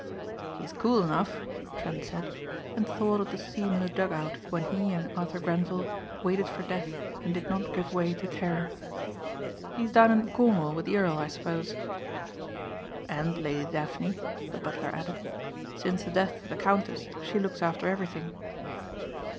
"He is cool enough," Trent said, and thought of the scene in the dug out when he and Arthur Grenvil waited for death and did not give way to terror. "He's down in Cornwall with the Earl, I suppose?" "And Lady Daphne," the butler added. "Since the death of the Countess she looks after everything."